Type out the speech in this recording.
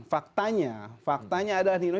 faktanya adalah nino